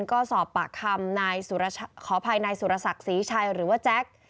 ก็สอบปากคำนายขออภัยนายสุรศักดิ์ศรีชัยหรือว่าแจ็ค